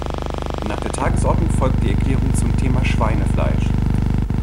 Nach der Tagesordnung folgt die Erklärung zum Thema Schweinefleisch.